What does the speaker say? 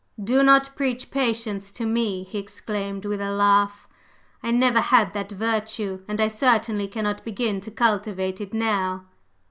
"Do not preach patience to me!" he exclaimed with a laugh. "I never had that virtue, and I certainly cannot begin to cultivate it now."